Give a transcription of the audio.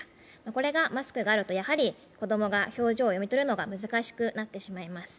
これがマスクがあると、子供が表情を読み取るのが難しくなってしまいます。